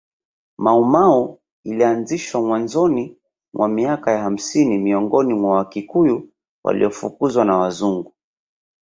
Mau Mau ilianzishwa mwanzoni mwa miaka ya hamsini miongoni mwa Wakikuyu waliofukuzwa na Wazungu